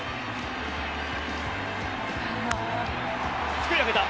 すくい上げた。